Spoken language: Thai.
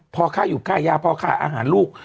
พอข้าอยู่ใกล้ย่าพ่อข้าอาหารลูก